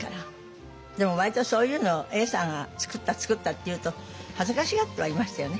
でも割とそういうの「永さんが作った作った」って言うと恥ずかしがってはいましたよね